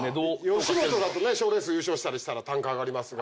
吉本だと賞レース優勝したら単価上がりますが。